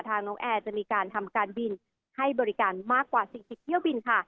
น้องแอร์จะมีการทำการบินให้บริการมากกว่า๔๐เที่ยวบินค่ะ